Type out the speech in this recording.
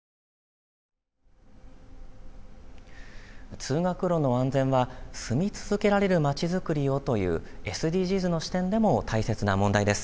通学路の安全は住み続けられるまちづくりをというＳＤＧｓの視点でも大切な問題です。